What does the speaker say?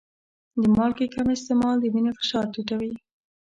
د مالګې کم استعمال د وینې فشار ټیټوي.